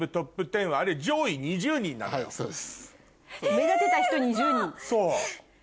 目立てた人２０人。